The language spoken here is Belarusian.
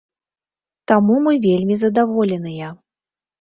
Таму мы вельмі задаволеныя.